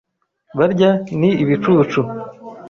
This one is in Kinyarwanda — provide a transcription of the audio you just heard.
barya ni ibicucu